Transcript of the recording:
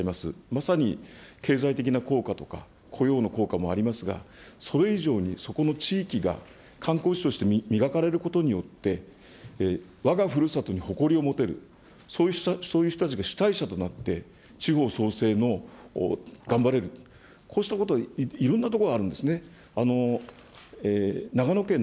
まさに経済的な効果とか、雇用の効果もありますが、それ以上にそこの地域が、観光地として磨かれることによって、わがふるさとに誇りを持てる、そういう人たちが主体者となって、地方創生の、頑張れる、こうしたことをいろんな所があるんですね。